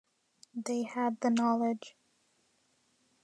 They had the Knowledge.